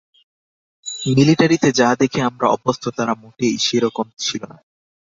মিলিটারিতে যা দেখে আমরা অভ্যস্ত, তারা মোটেই সেরকম ছিল না।